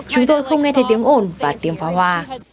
chúng tôi không nghe thấy tiếng ồn và tiếng pháo hoa